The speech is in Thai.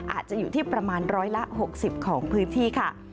อาจจะอยู่ที่ประมาณ๑๖๐ของพื้นที่ค่ะ